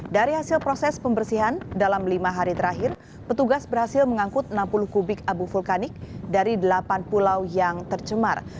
dari hasil proses pembersihan dalam lima hari terakhir petugas berhasil mengangkut enam puluh kubik abu vulkanik dari delapan pulau yang tercemar